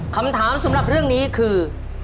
คำถามสำหรับเรื่องนี้คือ